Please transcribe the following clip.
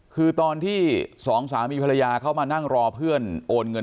คือตอนที่สองสามีภรรยาเขามานั่งรอเพื่อนโอนเงิน